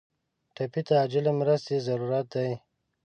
ټپي ته عاجل مرستې ضروري دي.